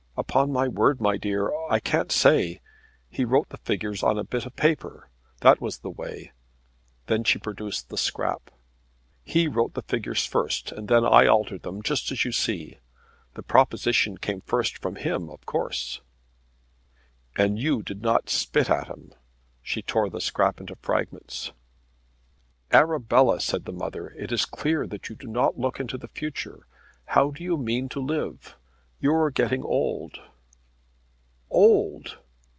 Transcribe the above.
"Upon my word, my dear, I can't say. He wrote the figures on a bit of paper; that was the way." Then she produced the scrap. "He wrote the figures first, and then I altered them, just as you see. The proposition came first from him, of course." "And you did not spit at him!" said Arabella as she tore the scrap into fragments. "Arabella," said the mother, "it is clear that you do not look into the future. How do you mean to live? You are getting old." "Old!"